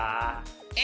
え？